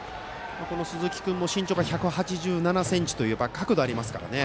鈴木君も身長が１８７ｃｍということで角度がありますからね。